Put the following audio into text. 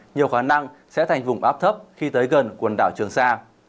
nhiều khả năng sẽ thành vùng áp thấp khi tới gần quần đảo trường sa